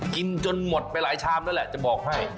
จนหมดไปหลายชามแล้วแหละจะบอกให้